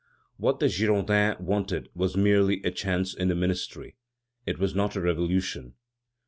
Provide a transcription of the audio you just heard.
What the Girondins wanted was merely a change in the ministry; it was not a revolution.